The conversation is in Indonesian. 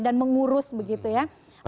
dan mengurus begitu ya